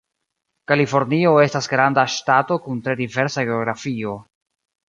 Kalifornio estas granda ŝtato kun tre diversa geografio.